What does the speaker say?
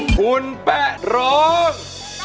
คุณแปะโรง